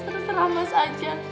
terserah mas aja